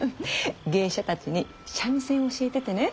芸者たちに三味線を教えててね。